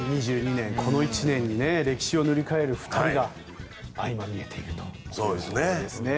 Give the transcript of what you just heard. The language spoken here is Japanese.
この１年に歴史を塗り替える２人が相まみえているということですね。